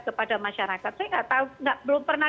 kepada masyarakat saya belum pernah